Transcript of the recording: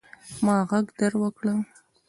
ما ږغ در وکړئ.